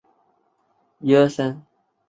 是少数可修读此科之学校之一。